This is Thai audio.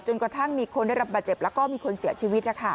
กระทั่งมีคนได้รับบาดเจ็บแล้วก็มีคนเสียชีวิต